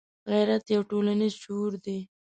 غیرت یو ټولنیز شعور دی